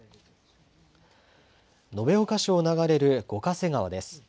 延岡市を流れる五ヶ瀬川です。